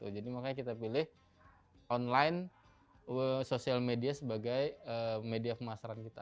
jadi makanya kita pilih online sosial media sebagai media pemasaran kita